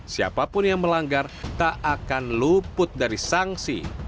siapapun yang melanggar tak akan luput dari sanksi